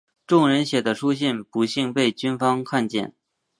众人写的书信不幸被军方看见。